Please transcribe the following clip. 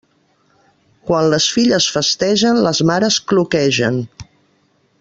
Quan les filles festegen, les mares cloquegen.